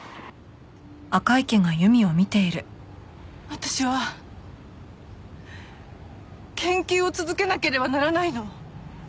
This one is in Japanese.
私は研究を続けなければならないの。